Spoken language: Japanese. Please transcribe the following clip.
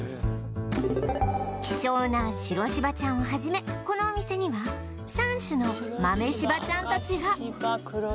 希少な白柴ちゃんをはじめこのお店には３種の豆柴ちゃんたちが